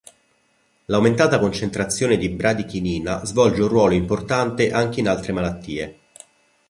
L'aumentata concentrazione di bradichinina svolge un ruolo importante anche in altre malattie.